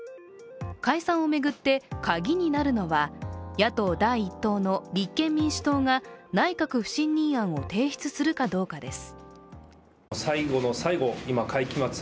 解散を巡ってカギになるのは野党第１党の立憲民主党が内閣不信任案を提出するかどうかです。